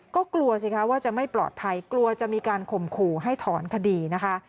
ก็กลัวสิคะว่าจะไม่ปลอดภัยกลัวจะมีการข่มขู่ให้ถอนคดีนะคะ